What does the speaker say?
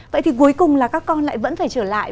vậy thì cuối cùng là các con lại vẫn phải trở lại